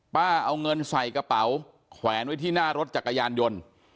เอาเงินใส่กระเป๋าแขวนไว้ที่หน้ารถจักรยานยนต์